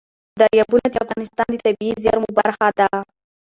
دریابونه د افغانستان د طبیعي زیرمو برخه ده.